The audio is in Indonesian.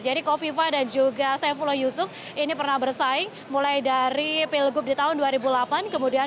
jadi kofifa dan juga saifullah yusuf ini pernah bersaing mulai dari pilgub di tahun dua ribu delapan kemudian dua ribu tiga belas